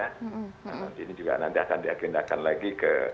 nanti ini juga nanti akan diagendakan lagi ke